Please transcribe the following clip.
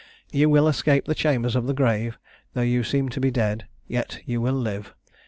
You will escape the chambers of the grave; though you seem to be dead, yet you will live.